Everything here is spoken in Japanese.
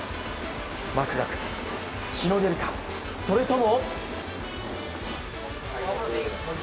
マクガフ、しのげるか、それとも。